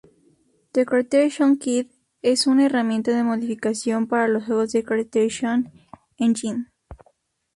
The Creation Kit es una herramienta de modificación para los juegos de Creation Engine.